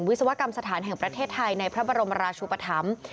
วิศวกรรมสถานแห่งประเทศไทยในพระบรมราชุปธรรม